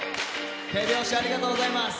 手拍子ありがとうございます。